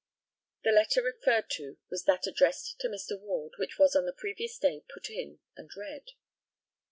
[The letter referred to was that addressed to Mr. Ward, which was on the previous day put in and read.